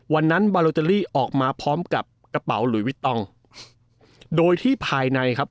บาโลเตอรี่ออกมาพร้อมกับกระเป๋าหลุยวิตต้องโดยที่ภายในครับ